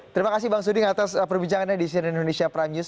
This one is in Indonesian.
terima kasih bang suding atas perbincangannya di cnn indonesia prime news